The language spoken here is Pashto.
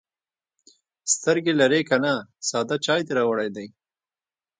_سترګې لرې که نه، ساده چای دې راوړی دی.